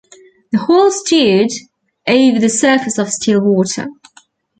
The whole stood over the surface of still water.